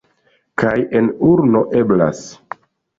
Kaj en urno eblas!